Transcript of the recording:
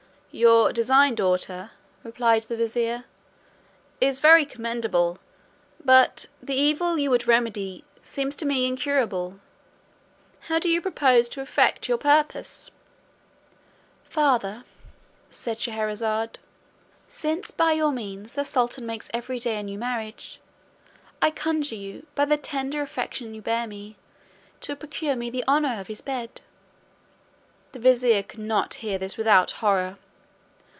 "Your design, daughter," replied the vizier "is very commendable; but the evil you would remedy seems to me incurable. How do you propose to effect your purpose?" "Father," said Scheherazade, "since by your means the sultan makes every day a new marriage, I conjure you, by the tender affection you bear me, to procure me the honour of his bed." The vizier could not hear this without horror.